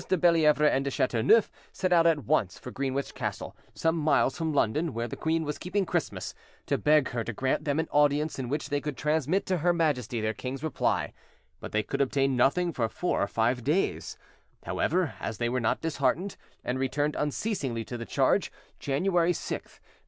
de Bellievre and de Chateauneuf set out at once for Greenwich Castle, some miles from London, where the queen was keeping Christmas, to beg her to grant them an audience, in which they could transmit to her Majesty their king's reply; but they could obtain nothing for four or five days; however, as they were not disheartened, and returned unceasingly to the charge, January 6th, MM.